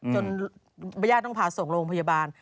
จนบรรยาต้องพาส่งโรงพยาบาล